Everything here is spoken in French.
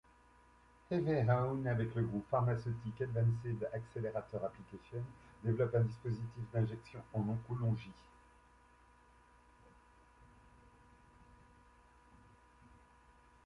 Eveon avec le groupe pharmaceutique Advanced Accelerator Applications développe un dispositif d’injection en oncologie.